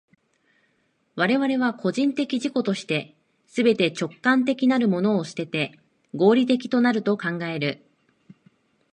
我々は個人的自己として、すべて直観的なるものを棄てて、合理的となると考える。